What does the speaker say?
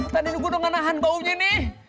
tani gue udah nganahan baunya nih